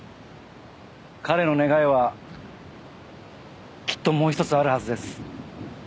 彼の願いはきっともう１つあるはずです。